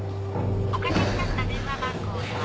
おかけになった電話番号へは。